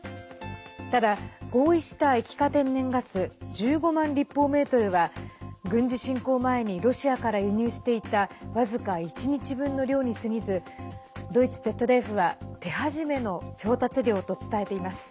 ただ、合意した液化天然ガス１５万立方メートルは軍事侵攻前にロシアから輸入していた僅か１日分の量にすぎずドイツＺＤＦは手始めの調達量と伝えています。